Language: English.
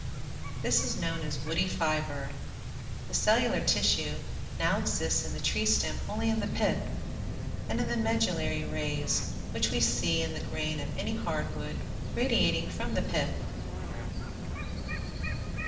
This is known as woody fiber. The cellular tissue now exists in the tree stem only in the pith, and in the medullary rays which we see in the grain of any hard wood, radiating from the pith.